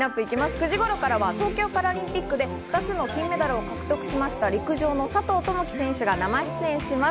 ９時頃からは東京パラリンピックで２つの金メダルを獲得しました、陸上の佐藤友祈選手が生出演します。